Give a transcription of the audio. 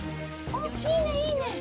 おっいいねいいね！